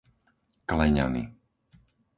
Kleňany